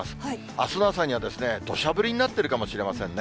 あすの朝には、どしゃ降りになってるかもしれませんね。